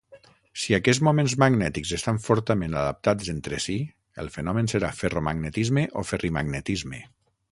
Si aquests moments magnètics estan fortament adaptats entre si, el fenomen serà ferromagnetisme o ferrimagnetisme.